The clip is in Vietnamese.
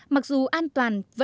mặc dù an toàn vẫn là tốc độ kết nối